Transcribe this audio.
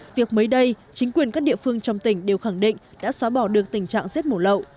nói rằng việc mấy đây chính quyền các địa phương trong tỉnh đều khẳng định đã xóa bỏ được tình trạng rết mổ lậu